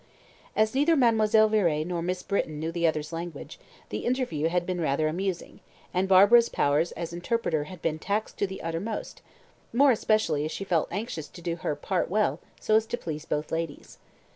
As neither Mademoiselle Viré nor Miss Britton knew the other's language, the interview had been rather amusing, and Barbara's powers as interpreter had been taxed to the uttermost, more especially as she felt anxious to do her part well so as to please both ladies.